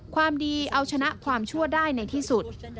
ความดีเอาชนะความชั่วได้ในที่สุด